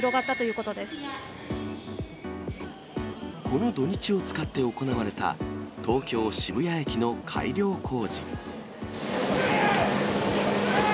この土日を使って行われた東京・渋谷駅の改良工事。